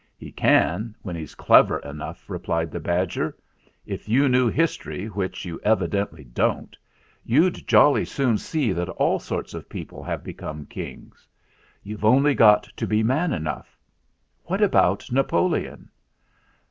"He can, when he's clever enough," re plied the badger. "If you knew history which you evidently don't you'd jolly soon see that all sorts of people have become kings. You've only got to be man enough. What about Napoleon?"